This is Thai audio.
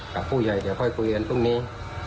กับผู้ใหญ่เดี๋ยวค่อยคุยกันพรุ่งนี้